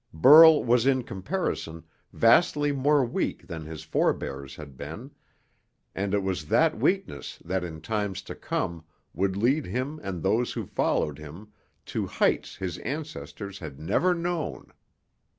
Burl was in comparison vastly more weak than his forebears had been, and it was that weakness that in times to come would lead him and those who followed him to heights his ancestors had never known.